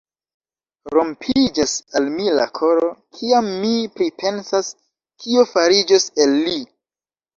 Rompiĝas al mi la koro, kiam mi pripensas, kio fariĝos el li!